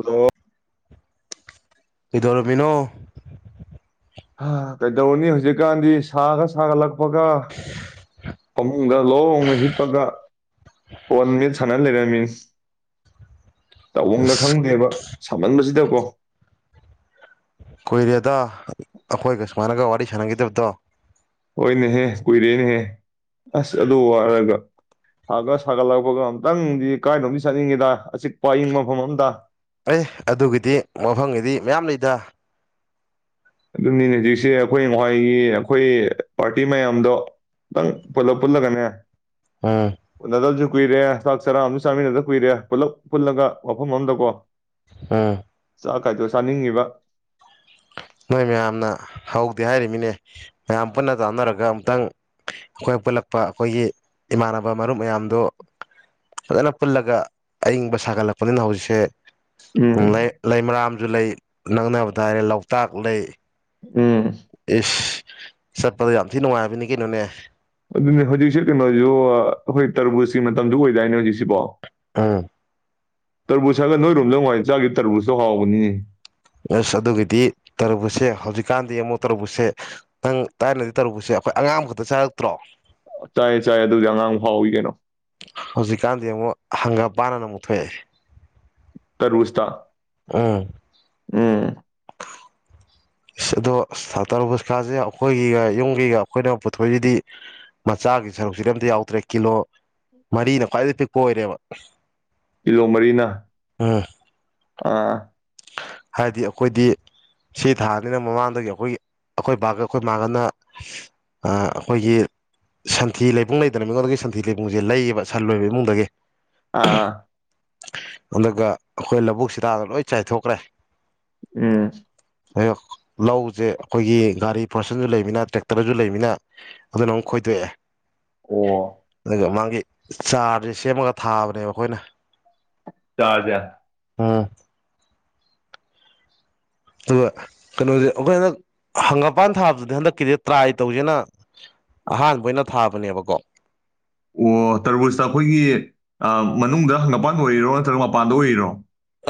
ꯑꯗꯣ ꯀꯩꯗꯧꯔꯝꯅꯤꯅꯣ? ꯍꯥ ꯀꯩꯗꯧꯅꯤ ꯍꯧꯖꯤꯛꯀꯥꯟꯗꯤ ꯁꯥꯒ ꯁꯥꯒꯠꯂꯛꯄꯒ ꯗ ꯂꯣꯡꯅ ꯍꯤꯞꯄꯒ ꯐꯣꯟ ꯃꯦꯠ ꯁꯅ ꯂꯩꯔꯝꯃꯤꯅꯤ꯫ ꯇꯧꯕꯝꯒ ꯑꯁ ꯈꯪꯗꯦꯕ꯫ ꯁꯃꯟꯕꯁꯤꯗꯀꯣ ꯀꯨꯏꯔꯦꯗ ꯑꯩꯈꯣꯏꯒ ꯁꯨꯃꯥꯏꯅꯒ ꯋꯥꯔꯤ ꯁꯥꯟꯅꯈꯤꯗꯕꯗꯣ꯫ ꯍꯣꯏꯅꯦꯍꯦ ꯀꯨꯏꯔꯦꯅꯦꯍꯦ ꯑꯁ ꯑꯗꯨ ꯋꯥꯔꯒ ꯁꯥꯒ ꯁꯥꯒꯠꯂꯛꯄꯒ ꯑꯝꯇꯪꯗꯤ ꯀꯥꯏꯅꯣꯝꯗꯤ ꯆꯠꯅꯤꯡꯉꯦꯗ ꯑꯆꯤꯛꯄ ꯑꯏꯌꯪꯕ ꯃꯐꯝ ꯑꯝꯇ꯫ ꯑꯦ ꯑꯗꯨꯒꯤꯗꯤ ꯃꯐꯝꯒꯤꯗꯤ ꯃꯌꯥꯝ ꯂꯩꯗ꯫ ꯑꯗꯨꯅꯤꯅꯦ ꯍꯧꯖꯤꯛꯁꯦ ꯑꯩꯈꯣꯏ ꯉꯋꯥꯥꯏꯒꯤ ꯑꯩꯈꯣꯏ ꯄꯥꯔꯇꯤ ꯃꯌꯥꯝꯗꯣ ꯇꯪ ꯄꯨꯂꯞ ꯄꯨꯜꯂꯒꯅꯦ ꯎꯝ ꯎꯅꯗꯕꯖꯨ ꯀꯨꯏꯔꯦ ꯆꯥꯛ ꯆꯔꯥ ꯑ ꯆꯥꯃꯤꯟꯅꯗ ꯀꯨꯏꯔꯦ ꯄꯨꯂꯞ ꯄꯨꯜꯂꯒ ꯋꯥꯐꯝ ꯑꯝꯗꯀꯣ ꯎꯝ꯫ ꯀꯥꯏꯗꯣ ꯆꯥꯅꯤꯡꯉꯤꯕ ꯅꯣꯏ ꯃꯌꯥꯝꯅ ꯍꯧꯗꯦ ꯍꯥꯏꯔꯤꯃꯤꯅꯦ ꯃꯌꯥꯝ ꯄꯨꯟꯅ ꯇꯥꯟꯅꯔꯒ ꯑꯃꯨꯛꯇꯪ ꯑꯩꯈꯣꯏ ꯄꯨꯜꯂꯛꯄ ꯑꯩꯈꯣꯏꯒꯤ ꯏꯃꯥꯟꯅꯕ ꯃꯔꯨꯞ ꯃꯌꯥꯝꯗꯨ ꯐꯖꯅ ꯄꯨꯜꯂꯒ ꯑꯏꯪꯕ ꯁꯥꯒꯠꯂꯛꯄꯅꯤꯅ ꯍꯧꯖꯤꯛꯁꯦ ꯎꯝ ꯂꯩ ꯂꯩꯃꯔꯥꯝ ꯁꯨ ꯂꯩ ꯅꯪꯅꯕꯗ ꯍꯥꯏꯔꯦ ꯂꯧ ꯇꯥꯛꯂꯩ ꯎꯝ꯫ ꯆꯠꯄꯗ ꯌꯥꯝ ꯊꯤ ꯅꯨꯡꯉꯥꯏꯕꯅꯤ ꯀꯩꯅꯣꯅꯦ꯫ ꯑꯗꯨꯅꯦ ꯍꯧꯖꯤꯛꯁꯦ ꯀꯩꯅꯣꯁꯨ ꯑꯩꯈꯣꯏ ꯇꯔꯕꯨꯨꯖꯀꯤ ꯃꯇꯝꯁꯨ ꯑꯣꯏꯗꯥꯏꯅꯦ ꯍꯧꯖꯤꯛꯁꯤꯕꯣ꯫ ꯎꯝ꯫ ꯇꯔꯕꯨꯖ ꯍꯥꯏꯔꯥꯒ ꯅꯣꯏꯔꯣꯝꯗ ꯅꯍꯟꯋꯥꯏ ꯆꯥꯒꯤ ꯇꯔꯕꯨꯖꯇꯣ ꯍꯥꯎꯕꯅꯤ ꯑꯁ ꯑꯗꯨꯒꯗꯤ ꯇꯔꯕꯨꯖꯁꯦ ꯍꯧꯖꯤꯛꯀꯥꯟꯗꯤ ꯑꯃꯨꯛ ꯇꯔꯅꯕꯨꯖꯁꯦ ꯅꯪ ꯊꯥꯏꯅꯗꯤ ꯇꯔꯕꯨꯖꯛꯁꯦ ꯑꯩꯈꯣꯏ ꯑꯉꯥꯡ ꯈꯛꯇ ꯆꯥꯔꯛꯇ꯭ꯔꯣ ꯆꯥꯏꯌꯦ ꯆꯥꯏꯌꯦ ꯑꯗꯨꯕꯨꯗꯤ ꯑꯉꯥꯡ ꯍꯥꯎꯏ ꯀꯩꯅꯣ ꯍꯪꯒ ꯄꯥꯟꯅ ꯑꯃꯨꯛꯊ ꯊꯣꯛꯑꯦ ꯇꯔꯕꯨꯖꯇꯥ ꯑꯝ ꯎꯝ ꯏꯁ ꯑꯗꯣ ꯇꯔꯕꯨꯖ ꯀꯥꯁꯦ ꯑꯩꯈꯣꯏꯒꯤꯒ ꯌꯨꯝꯒꯤꯒ ꯑꯩꯈꯣꯏꯅ ꯄꯨꯊꯣꯛꯏꯁꯤꯗꯤ ꯃꯆꯥꯒꯤ ꯁꯔꯨꯛꯁꯤꯗꯤ ꯑꯝꯇ ꯌꯥꯎꯗ꯭ꯔꯦ ꯀꯤꯂꯣ ꯃꯔꯤꯅ ꯈ꯭ꯋꯥꯏꯗꯩꯩ ꯄꯤꯛꯄ ꯑꯣꯏꯔꯦꯕ ꯀꯤꯂꯣ ꯃꯔꯤꯅ ꯎꯝ ꯑꯥ ꯍꯥꯏꯗꯤ ꯑꯩꯈꯣꯏꯗꯤ ꯁꯤ ꯊꯥꯅꯤꯅ ꯃꯃꯥꯡꯗꯒꯤ ꯑꯩꯈꯣꯏꯒꯤ ꯑꯩꯈꯣꯏ ꯕꯥꯒ ꯑꯩꯈꯣꯏ ꯃꯥꯥꯡꯒꯅ ꯑꯩꯈꯣꯏꯒꯤ ꯁꯟꯊꯤ ꯂꯩꯕꯨꯡ ꯂꯩꯇꯅ ꯃꯤꯉꯣꯟꯗꯒꯤ ꯁꯟꯊꯤ ꯂꯩꯕꯨꯡꯁꯦ ꯂꯩꯌꯦꯕ ꯁꯟ ꯂꯣꯏꯕ ꯏꯃꯨꯡꯗꯒꯤ ꯑꯥ ꯑꯗꯨꯒ ꯑꯩꯈꯣꯏ ꯂꯧꯕꯨꯛꯗ ꯂꯣꯏ ꯆꯥꯏꯊꯣꯛꯈ꯭ꯔꯦ ꯎꯝ ꯂꯧꯁꯦ ꯑꯩꯈꯣꯏꯒꯤ ꯒꯥꯔꯤ ꯄꯣꯔꯁꯟꯁꯨ ꯂꯩꯃꯤꯅ ꯇ꯭ꯔꯦꯛꯇꯔꯁꯨ ꯂꯩꯃꯤꯅ ꯑꯗꯨꯅ ꯑꯃꯨꯛ ꯈꯣꯏꯗꯣꯛꯑꯦ ꯑꯣ [unintelligible] ꯆꯥꯔꯁꯦ ꯁꯦꯝꯃꯒ ꯊꯥꯕꯅꯦꯕ ꯑꯩꯈꯣꯏꯅ ꯆꯥꯔꯖꯦ ꯎꯝ ꯑꯗꯨꯒ ꯀꯩꯅꯣꯁꯦ ꯑꯩꯈꯣꯏ ꯍꯟꯗꯛ ꯍꯪꯉꯄꯥꯟ ꯊꯥꯕꯗꯨꯗꯤ ꯍꯟꯗꯛꯀꯤꯗꯤ ꯇ꯭ꯔꯥꯏ ꯇꯧꯁꯦꯅ ꯑꯍꯥꯟꯕ ꯑꯣꯏꯅ ꯊꯥꯕꯅꯦꯕꯀꯣ ꯑꯣ ꯇꯔꯕꯨꯖꯇ ꯑꯩꯈꯣꯏꯒꯤ ꯃꯅꯨꯡꯗꯪ ꯃꯄꯥꯟꯗ ꯑꯣꯏꯔꯤꯔꯣ ꯅꯠꯇ꯭ꯔꯒ ꯃꯄꯥꯟꯗ ꯑꯣꯏꯔꯤꯔꯣ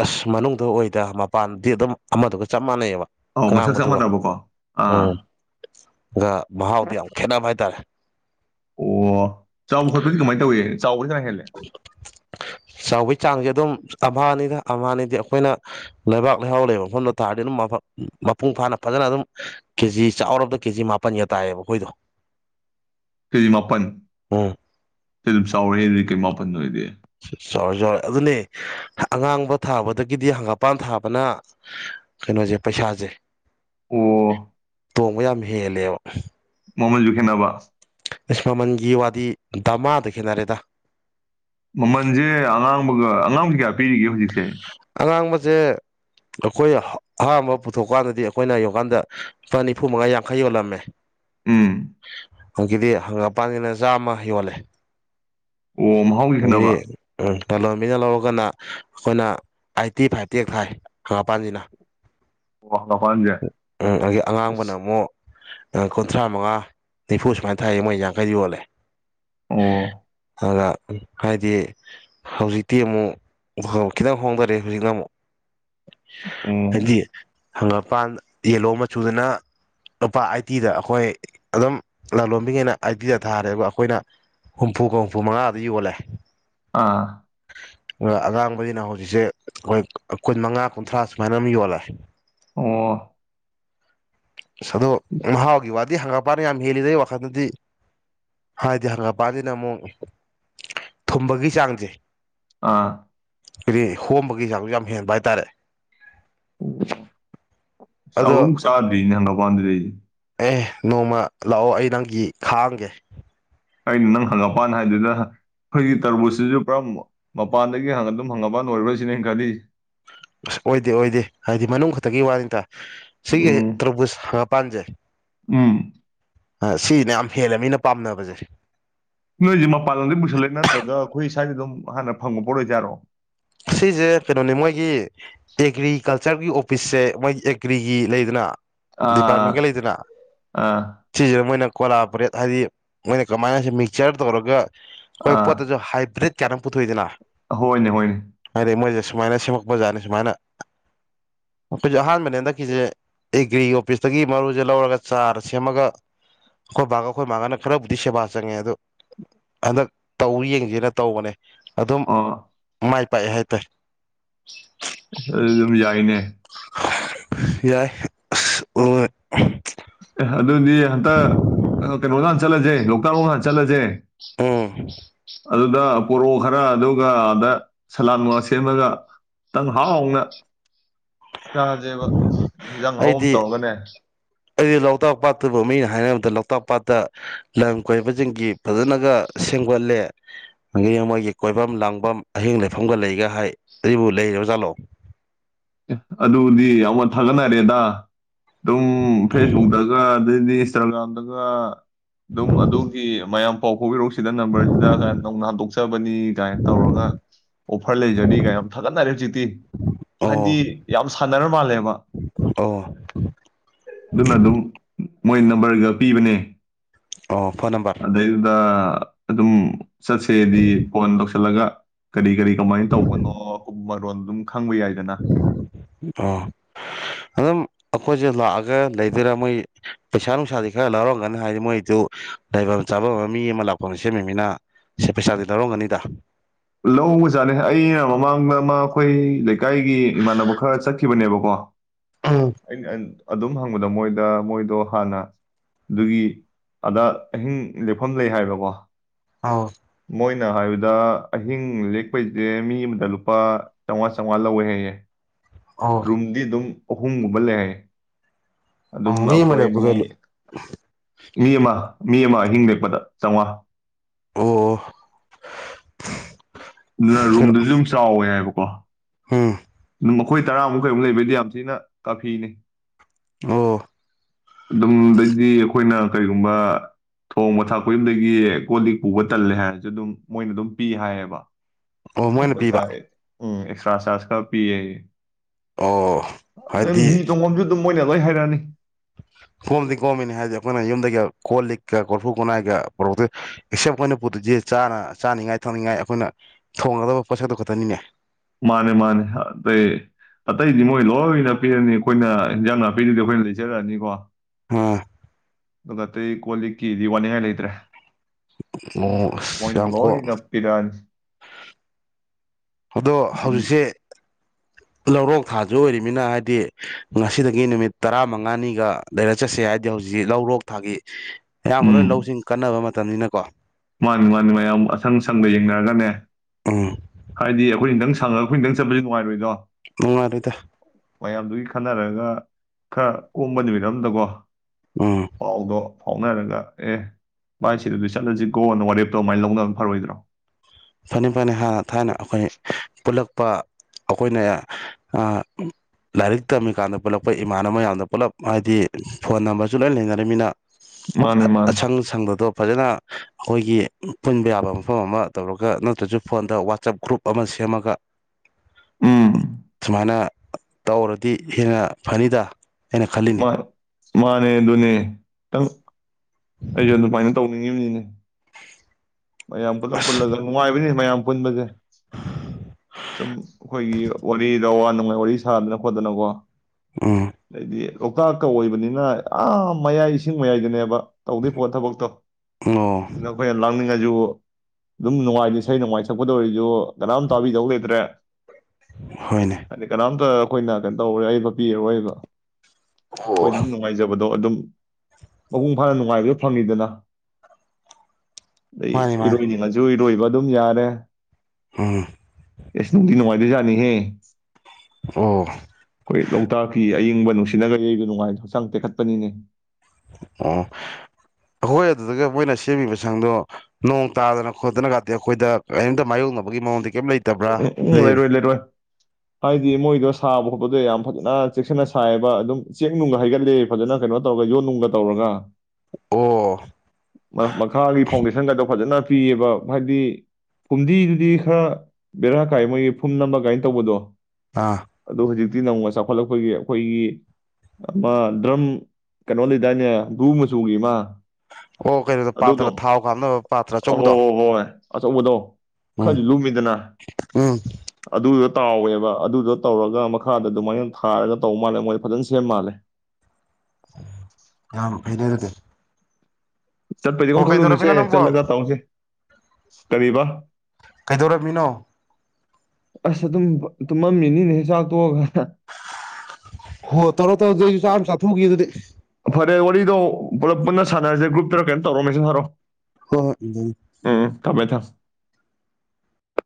ꯑꯁ ꯃꯅꯨꯡꯗ ꯑꯣꯏꯗ ꯃꯄꯥꯟꯗꯤ ꯑꯗꯨꯝ ꯑꯃꯗꯨꯒ ꯆꯞ ꯃꯥꯟꯅꯩꯑꯦꯕ ꯑꯧ ꯃꯁꯛ ꯆꯞ ꯑꯉꯥꯡꯕꯗꯨꯒ ꯃꯥꯟꯅꯕꯀꯣ ꯑꯥ ꯎꯝ ꯃꯍꯥꯎꯗꯤ ꯌꯥꯝ ꯈꯦꯠꯅꯕ ꯍꯥꯏꯇꯥꯔꯦ ꯑꯣ ꯆꯥꯎꯕ ꯈꯣꯠꯄꯗꯤ ꯀꯃꯥꯏ ꯇꯧꯏ ꯆꯥꯎꯕꯗꯤ ꯀꯅꯥ ꯍꯦꯜꯂꯦ ꯆꯥꯎꯕꯩ ꯆꯥꯡꯁꯦ ꯑꯗꯨꯝ ꯑꯝꯍꯥꯅꯤꯗ ꯑꯝꯍꯥꯅꯤꯗꯤ ꯑꯩꯈꯣꯏꯅ ꯂꯩꯕꯥꯛ ꯂꯩꯍꯥꯎ ꯂꯩꯕ ꯃꯐꯝꯗ ꯊꯥꯔꯗꯤ ꯑꯗꯨꯝ ꯃꯄꯨꯡ ꯐꯥꯅ ꯐꯖꯅ ꯑꯗꯨꯝ ꯀꯦꯖꯤ ꯆꯥꯎꯔꯕꯗ ꯀꯦꯖꯤ ꯃꯥꯄꯟꯒ ꯇꯥꯏꯌꯦꯕ ꯑꯩꯈꯣꯏꯗꯣ ꯀꯦꯖꯤ ꯃꯥꯄꯟ ꯎꯝ ꯑꯗꯨꯝ ꯆꯥꯎꯔꯦꯍꯦ ꯗꯨꯗꯤ ꯃꯥꯄꯟꯗꯣ ꯑꯩꯗꯤ ꯆꯥꯎꯔꯦ ꯆꯥꯎꯔꯦ ꯑꯗꯨꯅꯦ ꯑꯉꯥꯡꯕ ꯊꯥꯕꯗꯒꯤꯗꯤ ꯍꯪꯒꯥꯄꯥꯟ ꯊꯥꯕꯅ ꯀꯩꯅꯣꯁꯦ ꯄꯩꯁꯥꯁꯦ ꯑꯣ ꯇꯣꯡꯕ ꯌꯥꯝ ꯍꯦꯜꯂꯦꯕ ꯃꯃꯜꯖꯨ ꯈꯦꯟꯅꯥꯕꯥ ꯏꯁ ꯃꯃꯜꯒꯤ ꯋꯥꯗꯤ ꯗꯃꯥꯗ ꯈꯦꯠꯅꯔꯦꯗ ꯃꯃꯜꯁꯦ ꯑꯉꯥꯡꯕꯒ ꯑꯉꯥꯡꯕ ꯀꯌꯥ ꯄꯤꯔꯤꯒꯦ ꯍꯧꯖꯤꯛꯁꯦ ꯑꯉꯥꯡꯕ ꯁꯦ ꯑꯩꯈꯣꯏ ꯑꯍꯝꯕ ꯄꯨꯊꯣꯛꯀꯥꯟꯗꯗꯤ ꯑꯩꯈꯣꯏꯅ ꯌꯣꯟꯀꯥꯟꯗ ꯂꯨꯄꯥ ꯅꯤꯐꯨ ꯃꯉꯥ ꯌꯥꯡꯈꯩ ꯌꯣꯜꯂꯝꯃꯦ ꯎꯝ ꯍꯧꯖꯤꯛꯗꯤ ꯍꯪꯒꯥꯄꯥꯟꯒꯤꯅ ꯆꯥꯝꯃ ꯌꯣꯜꯂꯦ ꯑꯣ ꯃꯍꯥꯎꯒꯤ ꯈꯅꯕ ꯥꯂꯣꯟꯕꯤꯅ ꯂꯧꯔꯒꯅ ꯑꯩꯈꯣꯏꯅ ꯑꯥꯏꯠꯇꯤ ꯐꯥꯏꯚ ꯇꯦꯛ ꯊꯥꯏ ꯈꯥꯄꯥꯟꯁꯤꯅ ꯑꯣ ꯍꯪꯒꯄꯥꯟꯁꯦ ꯎꯝ ꯑꯗꯒꯤ ꯑꯁ ꯑꯉꯥꯡꯕꯅ ꯑꯃꯨꯛ ꯀꯨꯟꯊ꯭ꯔꯥ ꯃꯉꯥ ꯅꯤꯐꯨ ꯁꯨꯃꯥꯏꯅ ꯊꯥꯏꯑꯌꯦ ꯃꯣꯏ ꯌꯥꯡꯈꯩꯗ ꯌꯣꯜꯂꯦ ꯑꯣ ꯑꯗ ꯍꯥꯏꯗꯤ ꯍꯧꯖꯤꯛꯇꯤ ꯑꯃꯨꯛ ꯈꯤꯇꯪ ꯍꯣꯡꯗꯔꯦ ꯍꯧꯖꯤꯛꯅ ꯑꯃꯨꯛ ꯑꯣ ꯍꯥꯏꯗꯤ ꯍꯪꯒꯥꯛ ꯄꯥꯥꯟ ꯌꯦꯂꯣ ꯃꯆꯨꯗꯅ ꯂꯨꯄꯥ ꯑꯥꯏꯠꯇꯤꯗ ꯑꯩꯈꯣꯏ ꯑꯗꯨꯝ ꯂꯂꯣꯟꯕꯤꯉꯩꯅ ꯑꯥꯏꯠꯇꯤꯗ ꯊꯥꯔꯦ ꯑꯗꯨꯒ ꯑꯩꯈꯣꯏꯅ ꯍꯨꯝꯐꯨꯒ ꯍꯨꯝꯐꯨ ꯃꯉꯥꯗ ꯌꯣꯜꯂꯦ ꯑꯥ ꯑ ꯑꯉꯥꯡꯕꯗꯤꯅ ꯍꯧꯖꯤꯛꯁꯦ ꯑꯩꯈꯣꯏ ꯀꯨꯟ ꯃꯉꯥ ꯀꯨꯟꯊ꯭ꯔꯥ ꯁꯨꯃꯥꯏꯅ ꯑꯃꯝ ꯌꯣꯜꯂꯦ ꯑꯣ ꯁꯗꯣ ꯃꯍꯥꯎꯒꯤ ꯋꯥꯠ ꯍꯥꯏꯗꯤ ꯍꯪꯒꯄꯥꯟ ꯌꯥꯝ ꯍꯦꯜꯂꯤꯗꯩ ꯋꯥꯈꯜꯗꯗꯤ ꯍꯥꯏꯗꯤ ꯍꯪꯉꯄꯥꯟꯁꯤꯅ ꯑꯃꯨꯛ ꯊꯨꯝꯕꯒꯤ ꯆꯥꯡꯁꯦ ꯑꯥ ꯍꯥꯏꯗꯤ ꯍꯣꯝꯕꯒꯤ ꯆꯥꯛꯁꯨ ꯌꯥꯝ ꯍꯦꯟꯕ ꯍꯥꯏꯇꯥꯔꯦ ꯑ ꯑꯗꯣ ꯆꯥꯔꯤꯅꯤ ꯍꯪꯅꯄꯗꯔꯤꯗꯤ ꯑꯦ ꯅꯣꯡꯃ ꯂꯥꯛꯑꯣ ꯑꯩ ꯅꯪꯒꯤ ꯈꯥꯡꯒꯦ ꯑꯩꯅ ꯅꯪ ꯍꯪꯉꯄꯥꯟ ꯍꯥꯏꯗꯨꯗ ꯑꯩꯈꯣꯏꯒꯤ ꯇꯔꯕꯨꯁꯤꯁꯨ ꯄꯨꯔꯥ ꯃꯄꯥꯟꯗꯒꯤ ꯑꯗꯨꯝ ꯍꯪꯉꯄꯥꯟ ꯑꯣꯏꯔꯣꯏꯁꯤꯅꯦ ꯈꯜꯂꯤ ꯑꯁ ꯑꯣꯏꯗꯦ ꯑꯣꯏꯗꯦ ꯍꯥꯏꯗꯤ ꯃꯅꯨꯡ ꯈꯛꯇꯒꯤ ꯋꯥꯅꯤꯇ ꯁꯤꯒꯦ ꯎꯝ ꯇ꯭ꯔꯄꯨ ꯄꯖ ꯎꯝ ꯁꯤꯅ ꯌꯥꯝ ꯍꯦꯜꯂꯦ ꯃꯤꯅ ꯄꯥꯝꯅꯕꯁꯦ ꯅꯣꯏꯁꯦ ꯃꯄꯥꯟ ꯂꯝꯗꯒꯤꯩ ꯄꯨꯁꯜꯂꯛꯦ ꯅꯠꯇ꯭ꯔꯒ ꯑꯩꯈꯣꯏ ꯁ꯭ꯋꯥꯏꯗ ꯑꯗꯨꯝ ꯍꯥꯟꯅ ꯐꯪꯕ ꯄꯠ ꯑꯣꯏꯖꯥꯔꯣ ꯁꯤꯁꯦ ꯀꯩꯅꯣꯅꯤ ꯃꯣꯏꯒꯤ ꯑꯦꯒ꯭ꯔꯤꯀꯜꯆꯔꯒꯤ ꯑꯣꯐꯤꯁꯁꯦ ꯃꯣꯏ ꯑꯦꯒ꯭ꯔꯤꯒꯤ ꯂꯩꯗꯅ ꯑꯥ ꯗꯤꯄꯥꯔꯠꯃꯦꯟꯒ ꯂꯩꯦꯗꯅꯥ ꯑꯥ ꯁꯤꯤꯖꯤꯅ ꯃꯣꯏꯅ ꯀꯣꯂꯥꯄꯔꯦꯠ ꯍꯥꯏꯗꯤ ꯃꯣꯏꯅ ꯀꯃꯥꯏꯅꯁꯤ ꯃꯤꯛꯆꯔ ꯇꯧꯔꯒ ꯑꯩꯈꯣꯏ ꯑꯥ ꯄꯣꯠꯇꯁꯨ ꯍꯥꯏꯕ꯭ꯔꯤꯠ ꯀꯌꯥꯔꯪ ꯄꯨꯊꯣꯛꯏꯗꯅ ꯍꯣꯏꯅꯦ ꯍꯣꯏꯅꯦ ꯑꯗꯩ ꯃꯣꯏꯁꯦ ꯁꯨꯃꯥꯏꯅ ꯁꯦꯝꯃꯛꯄ ꯖꯥꯠꯅꯦ ꯁꯨꯃꯥꯏꯅ ꯑꯩꯈꯣꯏꯁꯦ ꯑꯍꯥꯟꯕꯅꯦ ꯍꯟꯗꯛꯀꯤꯁꯦ ꯑꯦ ꯒ꯭ꯔꯤ ꯑꯣꯐꯤꯁꯇꯒꯤ ꯃꯔꯨꯁꯦ ꯂꯧꯔꯒ ꯆꯥꯔ ꯁꯦꯝꯃꯒ ꯑꯩꯈꯣꯏ ꯕꯥꯒ ꯑꯩꯈꯣꯏ ꯃꯥꯒꯅ ꯈꯔꯕꯨꯗꯤ ꯁꯦꯕꯥ ꯆꯪꯉꯦ ꯑꯗꯣ ꯍꯟꯗꯛ ꯇꯧ ꯌꯦꯡꯁꯦꯅ ꯇꯧꯕꯅꯦ ꯑꯗꯨꯝ ꯑꯣ ꯃꯥꯏ ꯄꯥꯛꯑꯦ ꯍꯥꯏꯇꯥꯔꯦ ꯑꯗꯨ ꯑꯗꯨꯝ ꯌꯥꯏꯅꯦ ꯌꯥꯏ ꯑꯗꯨꯗꯤ ꯍꯟꯇ ꯀꯩꯅꯣꯖ ꯆꯠꯂꯖꯦ ꯂ ꯂꯧꯀꯔ ꯆꯠꯂꯖꯦ ꯎꯝ ꯑꯗꯨꯗ- ꯄꯣꯔꯣꯛꯑꯣ ꯈꯔ ꯑꯗꯨꯒ ꯑꯗ ꯁꯂꯥꯠ ꯅꯨꯡꯂꯥꯠ ꯁꯦꯝꯃꯒ ꯈꯤꯇꯪ ꯍꯥꯎꯅ ꯆꯥꯁꯦꯕ ꯏꯟꯖꯥꯡ ꯑꯍꯥꯎꯕ ꯑꯩꯗꯤ ꯑꯃ ꯇꯧꯔꯒꯅꯦ ꯑꯦ ꯑꯩꯗꯤ ꯂꯣꯛꯇꯥꯛ ꯄꯥꯠꯇꯕꯨ ꯃꯤꯅ ꯍꯥꯏꯅꯕꯗ ꯂꯣꯛꯇꯥꯛ- ꯄꯥꯠꯇ ꯂꯝ ꯀꯣꯏꯕꯖꯤꯡꯒꯤ ꯐꯖꯅꯒ ꯁꯦꯝꯒꯠꯂꯦ ꯑꯗꯒꯤ ꯃꯣꯏꯒꯤ ꯀꯣꯏꯕꯝ ꯂꯥꯡꯕꯝ ꯑꯍꯤꯡ ꯂꯦꯛꯐꯝꯒ ꯂꯩꯒ ꯍꯥꯏ ꯂꯩꯕꯨ ꯂꯩꯔꯕ ꯖꯥꯠꯂꯣ ꯑꯗꯨꯗꯤ ꯌꯥꯝ ꯋꯥꯟ ꯊꯥꯒꯠꯅꯔꯦꯗ ꯑꯗꯨꯝ ꯐꯦꯁꯕꯨꯨꯛꯇꯒ ꯑꯗꯨꯗꯤ ꯏꯟꯁꯇꯥꯒ꯭ꯔꯥꯝꯗꯒ ꯑꯗꯨꯝ ꯑꯗꯨꯒꯤ ꯃꯌꯥꯝ ꯄꯥꯎ ꯐꯥꯎꯕꯤꯔꯛꯎ- ꯁꯤꯗ ꯅꯝꯕꯔꯁꯤꯗ ꯒ ꯅꯧꯅ ꯍꯥꯡꯗꯣꯛꯆꯕꯅꯤ ꯀꯥꯏꯅ ꯇꯧꯔꯒ ꯑꯣꯐꯔ ꯂꯩꯖꯔꯤ ꯒꯥꯏ ꯌꯥꯝ ꯊꯥꯒꯠꯅꯔꯦ ꯍꯧꯖꯤꯛꯇꯤ ꯍꯥꯏꯗꯤ ꯑꯣ ꯌꯥꯝ ꯁꯥꯟꯅꯔ ꯃꯥꯜꯂꯦꯕ ꯑꯣ ꯑꯗꯨꯅ ꯑꯗꯨꯝ ꯃꯣꯏ ꯅꯝꯕꯔꯒ ꯄꯤꯕꯅꯦ ꯑꯣ ꯐꯣꯟ ꯅꯝꯕꯔ ꯑꯗꯩꯗꯨꯗ ꯑꯗꯨꯝ ꯆꯠꯁꯦꯗꯤ ꯐꯣꯟ ꯇꯧꯁꯤꯜꯂꯒ ꯀꯔꯤ ꯀꯔꯤ ꯀꯃꯥꯏꯅ ꯇꯧꯕꯅꯣ ꯈꯣꯠꯄ- ꯑꯗꯨꯝ ꯈꯪꯕ ꯌꯥꯏ- ꯑꯣ ꯑꯗꯨꯝ ꯑꯈꯣꯏꯖꯦ ꯂꯥꯛꯑꯒ ꯂꯩꯗꯣꯏꯔꯥ ꯃꯣꯏ ꯄꯩꯁꯥ ꯅꯨꯡꯁꯥꯗꯤ ꯈꯔ ꯂꯧꯔꯝꯒꯅꯤ ꯍꯥꯏꯗꯤ ꯃꯣꯏꯗꯨ ꯂꯩꯕꯝ ꯆꯥꯕꯝ ꯃꯤ ꯑꯃ ꯂꯥꯛꯐꯝ ꯁꯦꯝꯃꯤꯃꯤꯅ ꯁꯤ ꯄꯩꯁꯥꯗꯤ ꯂꯧꯔꯝꯒꯅꯤꯗ ꯂꯧꯕꯖꯥꯠꯅꯦ ꯑꯩꯅ ꯃꯃꯥꯡꯗ ꯃꯥ ꯑꯩꯈꯣꯏ ꯂꯩꯀꯥꯏꯒꯤ ꯏꯃꯥꯟꯅꯕ ꯈꯔ ꯆꯠꯈꯤꯕꯅꯦꯕꯀꯣ ꯎꯝ ꯑꯟ- ꯑꯗꯨꯝ ꯍꯪꯕꯗ ꯃꯣꯏꯗ ꯃꯣꯏꯗꯣ ꯍꯥꯟꯅ ꯑꯗꯨꯒꯤ ꯑꯗꯥ ꯑꯍꯤꯡ ꯂꯦꯛꯐꯝ ꯂꯩ ꯍꯥꯏꯕꯀꯣ ꯍꯣꯐ ꯃꯣꯏꯅ ꯍꯥꯏꯕꯗ ꯑꯍꯤꯡ ꯂꯦꯛꯄꯩꯖꯦ ꯃꯤ ꯑꯃꯗ ꯂꯨꯄꯥ ꯆꯧꯉꯥ ꯆꯧꯉꯥ ꯂꯧꯋꯦ ꯍꯥꯏꯌꯦ ꯑꯧ ꯔꯨꯝꯗꯤ ꯑꯗꯨꯝ ꯑꯍꯨꯝꯒꯨꯝꯕ ꯂꯩ ꯍꯥꯏꯌꯦ ꯑꯗꯨꯝ ꯃꯤ ꯑꯃ ꯑꯩꯈꯣꯏ ꯂꯦꯛꯄ ꯑꯗ꯭ꯋꯥꯏ ꯂꯦꯛꯎ ꯃꯤ ꯑꯃ ꯃꯤ ꯑꯃ ꯑꯍꯤꯡ ꯂꯦꯛꯄꯗ ꯆꯧꯉꯥ ꯑꯣ- ꯑꯗꯨꯅ ꯀꯩꯅꯣ ꯔꯨꯝꯗꯨꯖꯨ ꯑꯗꯨꯝ ꯆꯥꯎꯋꯦ ꯍꯥꯏꯕ- ꯀꯣ ꯎꯝ ꯑꯗꯨꯝ ꯑꯩꯈꯣꯏ ꯇꯔꯥꯃꯨꯛ ꯀꯩꯃꯨꯛ ꯂꯩꯕꯩꯗꯤ ꯌꯥꯝ ꯊꯤꯅ ꯀꯥꯐꯤꯅꯤ ꯑꯣ ꯑꯗꯨꯝꯗꯩꯗꯤ ꯑꯩꯈꯣꯏꯅ ꯀꯔꯤꯒꯨꯝꯕ ꯊꯣꯡꯕ ꯊꯥꯛꯄ ꯌꯨꯝꯗꯒꯤ ꯀꯣꯜ ꯂꯤꯛ ꯄꯨꯕ ꯇꯜꯂꯦ ꯍꯥꯏꯔꯖꯨ ꯑꯗꯨꯝ ꯃꯣꯏꯅ ꯑꯗꯨꯝ ꯄꯤ ꯍꯥꯏꯌꯦꯕ ꯑꯣ ꯃꯣꯏꯅ ꯄꯤꯕ ꯎ ꯑꯦꯛꯁꯇ꯭ꯔꯥ ꯆꯥꯔꯖ ꯈ ꯄꯤ ꯌꯥꯏꯌꯦ ꯑꯣ ꯑꯗꯨ ꯍꯥꯏꯗꯤ ꯍ ꯇꯁꯨ ꯃꯣꯏꯅ ꯂꯣꯏ ꯍꯥꯏꯔꯛꯑꯅꯤ ꯀꯣꯝꯗꯤ ꯀꯣꯝꯃꯤꯅꯤ ꯍꯥꯏꯕꯗꯤ ꯑꯩꯈꯣꯏꯅ ꯌꯨꯝꯗꯒꯤꯒ ꯀꯣꯜ ꯂꯤꯛꯀ ꯀꯣꯔꯐꯨ ꯈꯨꯟꯅꯥꯏꯒ ꯄꯨꯣꯔꯛꯇ ꯑꯦꯁꯦꯞ ꯑꯩꯈꯣꯏꯅ ꯆ ꯆꯥꯅꯤꯡꯉꯥꯏ ꯊꯛꯅꯤꯡꯉꯥꯏ ꯑꯩꯈꯣꯏꯅ ꯊꯣꯡꯒꯗꯕ ꯄꯣꯠꯁꯛꯇꯣ ꯈꯛꯇꯅꯤꯅꯦ ꯃꯥꯅꯦ ꯃꯥꯅꯦ ꯑꯇꯩ ꯑꯇꯩꯗꯤ ꯃꯣꯏ ꯂꯣꯏꯅ ꯄꯤꯔꯅꯤ ꯑꯩꯈꯣꯏꯅ ꯏꯟꯖꯥꯡ ꯅꯥꯄꯤꯔꯤꯗꯤ ꯑꯩꯈꯣꯏꯅ ꯂꯩꯖꯔꯛꯑꯅꯤꯀꯣ ꯑ ꯑꯗꯨꯒ ꯑꯇꯩ ꯀꯣꯜꯂꯤ ꯀꯗꯤ ꯋꯥꯅꯤꯡꯉꯥꯏ ꯂꯩꯇ꯭ꯔꯦ ꯃꯣꯏꯅ ꯁꯌꯥꯌꯥꯝꯀ ꯂꯣꯏꯅ ꯄꯤꯔꯛꯑꯅꯤ ꯑꯗꯣ ꯑꯗꯒꯤ ꯍꯧꯖꯤꯛꯁꯦ ꯂꯧꯔꯣꯛ ꯊꯥꯁꯨ ꯑꯣꯏꯔꯤꯕꯃꯤꯅ ꯍꯥꯏꯕꯗꯤ ꯉꯁꯤꯗꯒꯤ ꯅꯨꯃꯤꯠ ꯇꯔꯥ ꯃꯉꯥꯅꯤꯒ ꯂꯩꯔ ꯆꯠꯁꯦ ꯍꯥꯏꯕꯗꯤ ꯍꯧꯖꯤꯛ ꯂꯧꯔꯣꯛ ꯊꯥꯒꯤ ꯑꯌꯥꯝꯕ ꯂꯣꯏ ꯎꯝ ꯂꯧꯁꯤꯡ ꯀꯟꯅꯕ ꯃꯇꯝꯅꯤꯅ ꯀꯣ ꯃꯥꯅꯤ ꯃꯥꯅꯤ ꯃꯌꯥꯝ ꯑꯁꯪ ꯁꯪꯒ ꯌꯦꯡꯅꯔꯒꯅꯦ ꯑ ꯍꯥꯏꯗꯤ ꯑꯩꯈꯣꯏ ꯊꯇꯪ ꯁꯪꯉꯒ ꯑꯩꯈꯣꯏ ꯈꯤꯇꯪ ꯆꯠꯁꯁꯨ ꯉꯥꯏꯔꯣꯏꯗꯣ ꯅꯨꯡꯔꯗ ꯃꯌꯥꯝꯗꯨꯒꯤ ꯈꯟꯅꯔꯒ ꯈꯔ ꯀꯣꯝꯕ ꯅꯨꯃꯤꯠ ꯑꯝꯗꯀꯣ ꯎꯝ ꯄꯥꯎꯗꯣ ꯐꯥꯎꯅꯔꯒ ꯑꯦ ꯚꯥꯏ ꯁꯤꯗꯗꯤ ꯆꯠꯂꯁꯤꯀꯣꯅ ꯋꯥꯔꯦꯞꯇꯣ ꯑꯗꯨꯃꯥꯏꯅ ꯂꯧꯅꯕ ꯐꯔꯣꯏꯗ꯭ꯔꯣ ꯐꯅꯤ ꯐꯅꯤ ꯍꯥꯟꯅ ꯊꯥꯏꯅ ꯑꯩꯈꯣꯏ ꯄꯨꯂ ꯄꯂꯛꯄ ꯑꯩꯈꯣꯏꯅ ꯂꯥꯏꯔꯤꯛ ꯇꯝꯃꯤꯀꯥꯟꯗ ꯄꯨꯜꯂꯛꯄ ꯏꯃꯥꯟꯅꯕ ꯌꯥꯝꯅ ꯄꯨꯜꯂꯞ ꯍꯥꯏꯗꯤ ꯐꯣꯟ ꯅꯝꯕꯔꯁꯨ ꯂꯣꯏ ꯂꯩꯅꯔꯃꯤꯅ ꯃꯥꯅꯦ ꯃꯥꯅꯦ ꯑꯁꯪ ꯁꯪꯕꯗꯣ ꯐꯖꯅ ꯑꯩꯈꯣꯏꯒꯤ ꯄꯨꯟꯕ ꯌꯥꯕ ꯃꯐꯝ ꯑꯃ ꯇꯧꯔꯒ ꯅꯠꯇ꯭ꯔꯁꯨ ꯐꯣꯟꯗ ꯋꯥꯆꯞ ꯒ꯭ꯔꯨꯞ ꯑꯃ ꯁꯦꯝꯃꯒ ꯎꯝ ꯊꯨꯅ ꯇꯧꯔꯗꯤ ꯍꯦꯟꯅ ꯐꯅꯤꯗ ꯑꯩꯅ ꯈꯜꯂꯤꯅꯤ ꯃꯥ ꯃꯥꯅꯦ ꯗꯨꯅꯦ ꯇꯪ ꯑꯩꯁꯨ ꯑꯗꯨꯃꯥꯏꯅ ꯇꯧꯅꯤꯡꯉꯤꯕꯅꯤꯅꯦ ꯑꯁ ꯄꯨꯣꯏꯟꯕꯒ ꯁꯨꯝ ꯑꯩꯈꯣꯏꯒꯤ ꯋꯥꯔꯤꯗꯋꯥ ꯋꯥꯔꯤ ꯁꯥꯗꯅ ꯈꯣꯠꯇꯅꯀꯣ ꯎꯝ ꯂꯩꯗꯤ ꯂꯣꯛꯇꯥꯛꯀ ꯑꯣꯏꯕꯅꯤꯅ ꯑ ꯃꯌꯥꯏ ꯏꯁꯤꯡ ꯃꯌꯥꯏꯗꯅꯦꯕ ꯇꯧꯗꯣꯏ ꯄꯣꯠ ꯊꯕꯛꯇꯣ ꯑꯣ ꯑꯩꯅꯁꯨ ꯑꯗꯨꯝ ꯅꯨꯡꯉꯥꯏꯖ ꯏꯁꯩ ꯅꯨꯡꯉꯥꯏ ꯁꯛꯄꯗꯣꯔꯤꯁꯨ ꯀꯅꯥꯝ ꯇꯥꯕꯤꯗꯧ ꯂꯩꯇ꯭ꯔꯦ ꯍꯣꯏꯅꯦ ꯑ ꯀꯅꯥꯝ ꯑꯩꯈꯣꯏꯅ ꯀꯩꯅꯣ ꯇꯧꯔꯣꯏ ꯑꯩꯕ ꯄꯤꯔꯔꯣꯏꯕ ꯑꯣ ꯑꯩꯈꯣꯏꯗꯪ ꯅꯨꯡꯉꯥꯏꯖꯕꯗꯣ ꯑꯗꯨꯝ ꯃꯄꯨꯡ ꯐꯥꯅ ꯅꯨꯡꯉꯥꯏꯕꯗꯣ ꯐꯪꯉꯤꯗꯅ ꯑꯩ ꯃꯥꯅꯤ ꯃꯥꯅꯤ ꯏꯔꯣꯏꯅꯤꯉꯥꯖꯨ ꯏꯔꯣꯏ ꯑꯗꯨꯝ ꯌꯥꯔꯦ ꯎꯝ ꯑꯦꯁ ꯅꯨꯡꯗꯤ ꯅꯨꯡꯉꯥꯏꯗꯣꯏꯖꯥꯅꯤꯍꯦ ꯑꯣ ꯑꯩꯈꯣꯏ ꯂꯣꯛꯇꯥꯛꯀꯤ ꯑꯏꯪꯕ ꯅꯨꯡꯁꯤꯅꯒ ꯑꯩꯕꯨ ꯅꯨꯡꯉꯥꯏꯅ ꯍꯛꯆꯥꯡ ꯇꯦꯛꯈꯠꯄꯅꯤꯅꯦ ꯑꯣ ꯑꯩꯈꯣꯏ ꯑꯗꯨꯗꯒ ꯃꯣꯏꯅ ꯁꯤ ꯁꯦꯝꯃꯤꯕ ꯁꯪꯗꯣ ꯅꯣꯡ ꯇꯥꯗꯅ ꯈꯣꯠꯇꯅꯒꯇꯤ ꯑꯩꯈꯣꯏꯗ ꯀꯔꯤꯝꯇ ꯃꯥꯥꯏꯌꯣꯛꯅꯕꯒꯤ ꯃꯑꯣꯡꯗꯒꯤ ꯎꯝ ꯎꯝ ꯂꯩꯔꯣꯏ ꯂꯩꯔꯣꯏ ꯍꯥꯏꯗꯤ ꯃꯣꯏꯗꯣ ꯁꯥꯕ ꯈꯣ ꯑꯗꯨꯗ ꯌꯥꯝ ꯐꯖꯅ ꯆꯦꯛꯁꯤꯟꯅ ꯁꯥꯏꯑꯕ ꯑꯗꯨꯝ ꯆꯦꯡ ꯅꯨꯡꯒ ꯍꯩꯒꯠꯂꯤ ꯐꯖꯅ ꯀꯩꯅꯣ ꯇꯧꯔꯒ ꯌꯣꯟ ꯅꯨꯡꯒ ꯇꯧꯔꯒ ꯑꯣ ꯃꯈꯥꯒꯤ ꯐꯥꯎꯟꯗꯦꯁꯟꯒꯗꯣ ꯐꯖꯅ ꯄꯤꯑꯕ ꯍꯥꯏꯕꯗꯤ ꯐꯨꯝꯗꯤꯗꯨꯗꯤ ꯈꯔ ꯕꯦꯔꯥ ꯀꯥꯏ ꯃꯣꯏꯒꯤ ꯐꯨꯝ ꯅꯝꯕ ꯀꯥꯏꯅ ꯇꯧꯕꯗꯣ ꯑꯥ ꯑꯗꯣ ꯍꯧꯖꯤ ꯇꯤ ꯅꯧꯅ ꯆꯥꯎꯈꯠꯂꯛꯄꯒꯤ ꯑꯩꯈꯣꯏꯒꯤ ꯑꯃ ꯗ꯭ꯔꯝ ꯀꯩꯅꯣ ꯂꯩꯗꯥꯏꯅꯦ ꯒ꯭ꯔꯨ ꯃꯆꯨꯒꯤ ꯑꯃ ꯑꯣ ꯀꯩꯅꯣꯗꯣ ꯑꯗꯨꯗꯣ ꯄꯥꯇ꯭ꯔ ꯊꯥꯎ ꯀꯥꯞꯅꯕ ꯄꯥꯇ꯭ꯔ ꯑ ꯍꯣ ꯑꯆꯧꯕꯗꯣ ꯍꯣꯏ ꯍꯣꯏ ꯍꯣꯏ ꯑꯆꯧꯕꯗꯣ ꯎꯝ ꯈꯔꯗꯤ ꯂꯨꯝꯃꯤꯗꯅ ꯎꯝ ꯑꯗꯨꯗꯣ ꯇꯥꯎꯋꯦꯕ ꯑꯗꯨꯗꯣ ꯇꯧꯔꯒ ꯃꯈꯥꯗ ꯑꯗꯨꯃꯥꯏꯅ ꯊꯥꯔꯒ ꯇꯧꯕ ꯃꯥꯜꯂꯦ ꯃꯣꯏꯗ ꯐꯖꯅ ꯁꯦꯝ ꯃꯥꯜꯂꯦ ꯌꯥꯝ ꯐꯩꯩꯅꯗꯗꯤ ꯆꯠꯄꯩꯗꯤ ꯀꯨꯡ ꯈꯜꯂꯨꯅꯨꯁꯦ ꯅꯪꯕꯣ ꯆꯠꯂꯒ ꯇꯧꯁꯦ ꯀꯔꯤꯕ ꯀꯩꯗꯧꯔꯝꯃꯤꯅꯣ ꯑꯁꯁ ꯑꯗꯨꯝ ꯇꯨꯝꯃꯝꯃꯤꯅꯤꯍꯦ ꯆꯥꯛ ꯇꯣꯛꯑꯒ ꯍꯣ ꯇꯧꯔꯣ ꯇꯧꯔꯣ ꯑꯗꯨꯗ ꯑꯩꯁꯨ ꯆꯥꯛ ꯑꯝ ꯆꯥ ꯊꯣꯛꯎꯒꯤꯒꯦꯗꯨꯗꯤ ꯐꯔꯦ ꯋꯥꯔꯤꯗꯣ ꯄꯨꯂꯞ ꯄꯨꯟꯅ ꯁꯥꯟꯅꯔꯁꯦ ꯒ꯭ꯔꯨꯞꯇꯔ ꯀꯩꯅꯣ ꯇꯧꯔꯣ ꯃꯦꯁ ꯍꯣꯏ ꯍꯣꯏ ꯍꯥꯏꯔꯛꯑꯣ ꯎꯝ ꯇꯃꯦ ꯊ